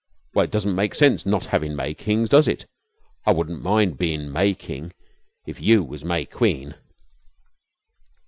"Well, it doesn't seem sense not having May Kings, does it? I wun't mind bein' May King if you was May Queen."